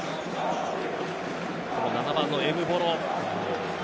７番のエムボロ。